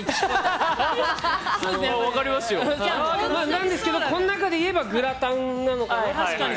なんですけどこの中で言えばグラタンなのかなっていう。